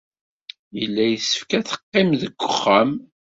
Yella yessefk ad teqqim deg wexxam.